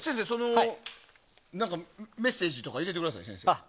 メッセージとか入れてください先生。